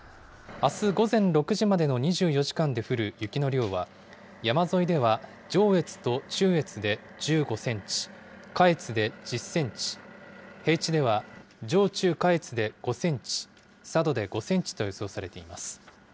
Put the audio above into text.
あす午前６時までの２４時間で降る雪の量は、山沿いでは上越と中越で１５センチ、下越で１０センチ、平地では上中下越で５センチ、佐渡で５センチと予想されています。